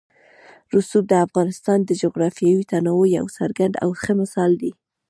رسوب د افغانستان د جغرافیوي تنوع یو څرګند او ښه مثال دی.